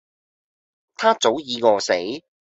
她早己餓死